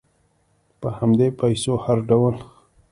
په همدې پیسو هر ډول